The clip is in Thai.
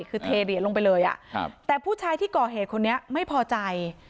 คือเทเหรียญลงไปเลยแต่ผู้ชายที่ก่อเหตุคนนี้ไม่พอใจ